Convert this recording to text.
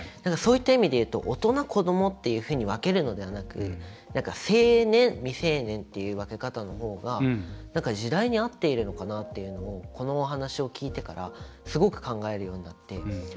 そういった意味でいうと大人、子どもっていうふうに分けるのではなく成年、未成年っていう分け方のほうが、時代に合っているのかなっていうのをこのお話を聞いてからすごく考えるようになって。